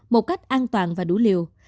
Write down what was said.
một cách an toàn và đủ liều